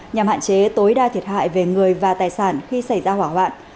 nhằm hạn chế tối đa thiệt hại về người và tài sản khi xảy ra hỏa hoạn